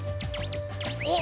おっ！